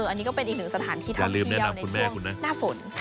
อันนี้เป็นอีกสถานที่ท้อเที่ยวในช่วงหน้าฝน